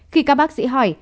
khi các bác sĩ hỏi